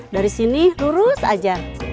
dari sini lurus aja